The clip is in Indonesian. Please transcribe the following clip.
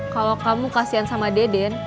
kalau kamu kasian sama deden